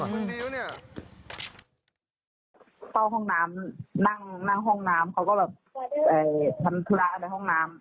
เข้าห้องน้ำนั่งห้องน้ำเขาก็แบบทำธุระในห้องน้ำ